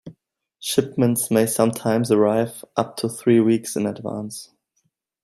Shipments may sometimes arrive up to three weeks in advance.